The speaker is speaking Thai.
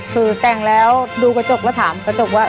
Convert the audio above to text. คือแต่งแล้วดูกระจกแล้วถามกระจกว่า